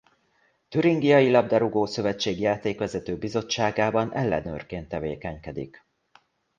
Türingiai Labdarúgó-szövetség Játékvezető Bizottságában ellenőrként tevékenykedik.